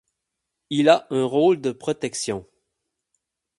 Il a un rôle de protection.